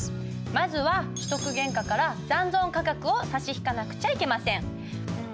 まずは取得原価から残存価額を差し引かなくちゃいけません。